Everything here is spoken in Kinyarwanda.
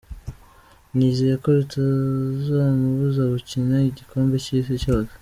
"Nizeye ko bitazomubuza gukina igikombe c'isi yose.